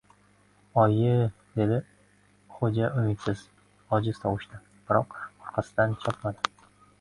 — Oyi-i-i! — dedi Xo‘ja umidsiz, ojiz tovushda. Biroq orqasidan chopmadi.